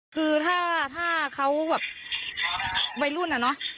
คือถ้าเขาแบบวัยรุ่นอะเนาะ